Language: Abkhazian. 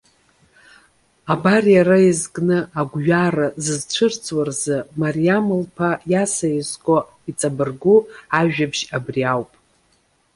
Абар, иара изкны агәҩара зызцәырҵуа рзы Мариам лԥа Иаса изку, иҵабыргу ажәабжь абри ауп.